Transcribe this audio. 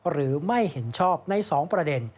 หรือไม่เห็นชอบใน๒ประเด็น